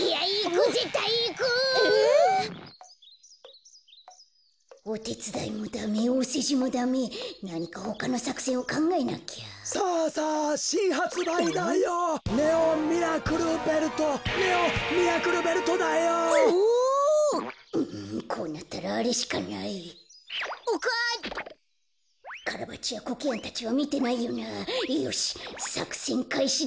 よしさくせんかいしだ！